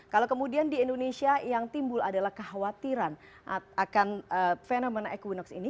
kalau kemudian di indonesia yang timbul adalah kekhawatiran akan fenomena equinox ini